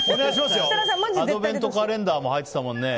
アドベントカレンダーも入ってたもんね。